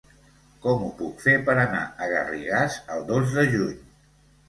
Com ho puc fer per anar a Garrigàs el dos de juny?